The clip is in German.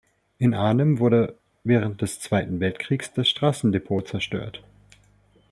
In Arnhem wurde während des Zweiten Weltkrieges das Straßenbahndepot zerstört.